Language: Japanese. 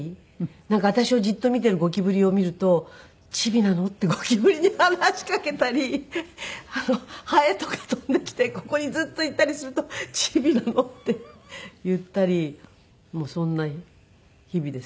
なんか私をじっと見ているゴキブリを見ると「チビなの？」ってゴキブリに話しかけたりハエとか飛んできてここにずっといたりすると「チビなの？」って言ったりもうそんな日々ですね。